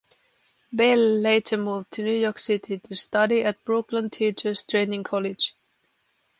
Belle later moved to New York City to study at Brooklyn Teachers Training College.